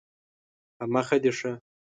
په مخه دې ښه